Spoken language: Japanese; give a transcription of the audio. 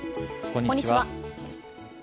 こんにちは。